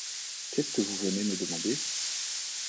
Qu’est-ce que vous venez me demander ?